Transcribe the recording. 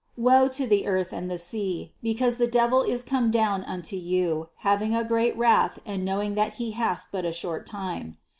Woe to the earth and the sea, because the devil is come down unto you, having a great wrath and knowing that he hath but a short time.